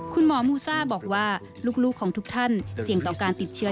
คุณหมอมูซ่าบอกว่าลูกของทุกท่านเสี่ยงต่อการติดเชื้อ